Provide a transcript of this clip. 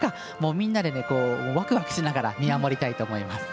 みんなでワクワクしながら見守りたいと思います。